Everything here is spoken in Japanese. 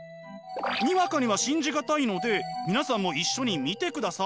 にわかには信じ難いので皆さんも一緒に見てください。